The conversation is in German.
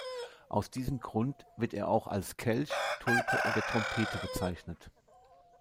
Aus diesem Grund wird er auch als Kelch, Tulpe oder Trompete bezeichnet.